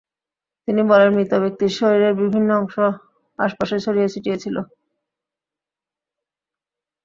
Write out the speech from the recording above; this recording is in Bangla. তিনি বলেন, মৃত ব্যক্তির শরীরের বিভিন্ন অংশ আশপাশে ছড়িয়ে ছিটিয়ে ছিল।